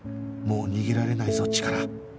もう逃げられないぞチカラ